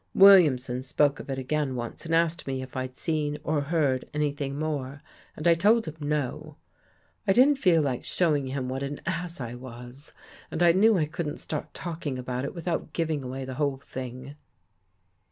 Williamson spoke of it again once and asked me if I'd seen or heard anything more, and I told him no. I didn't feel like 40 WHAT JEFFREY SAW showing him what an ass I was and I knew I couldn't start talking about it without giving away the whole thing."